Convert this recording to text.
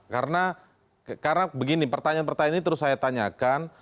karena karena begini pertanyaan pertanyaan ini terus saya tanyakan